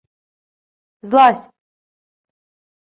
— Злазь.